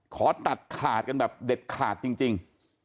ขอตัดขาดกันแบบเด็ดขาดจริง